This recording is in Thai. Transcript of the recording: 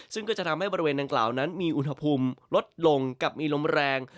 ซึ่งก็จะทำให้บริเวณดังกล่าวนั้นมีอุณหภูมิลดลงกับมีลมแรง